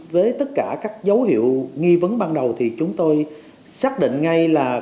với tất cả các dấu hiệu nghi vấn ban đầu thì chúng tôi xác định ngay là